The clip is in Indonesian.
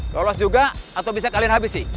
lolos juga atau bisa kalian habisi